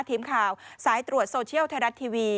ทีมข่าวสายตรวจโซเชียลไทยรัฐทีวี